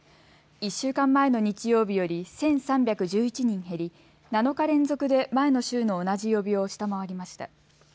１週間前の日曜日より１３１１人減り７日連続で前の週の同じ曜日を下回りました。